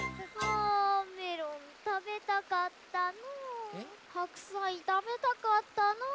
あメロンたべたかったのぅ。はくさいたべたかったのぅ。